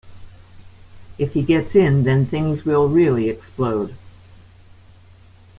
If he gets in, then things will really explode.